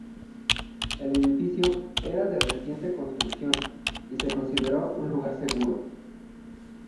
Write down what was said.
El edificio era de reciente construcción y se consideró un lugar seguro.